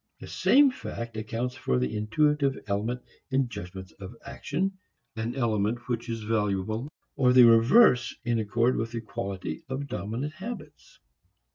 The same fact accounts for the intuitive element in judgments of action, an element which is valuable or the reverse in accord with the quality of dominant habits.